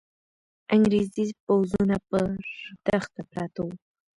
انګریزي پوځونه پر دښته پراته وو.